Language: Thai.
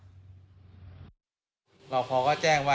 นี่ค่ะคุณผู้ชมพอเราคุยกับเพื่อนบ้านเสร็จแล้วนะน้า